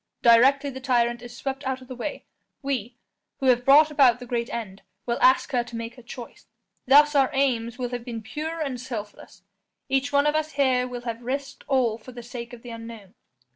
Directly the tyrant is swept out of the way, we, who have brought about the great end, will ask her to make her choice. Thus our aims will have been pure and selfless; each one of us here will have risked all for the sake of an unknown.